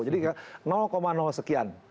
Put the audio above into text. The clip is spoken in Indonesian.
jadi sekian